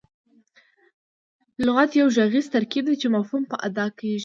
لغت یو ږغیز ترکیب دئ، چي مفهوم په اداء کیږي.